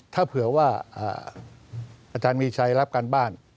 ถ้าเผื่อว่าอาจารย์มีชัยรับการบ้าน